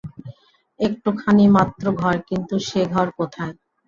একটুখানি মাত্র ঘর–কিন্তু সে ঘর কোথায়!